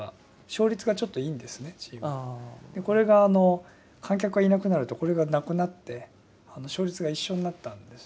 これがあの観客がいなくなるとこれがなくなって勝率が一緒になったんですよね。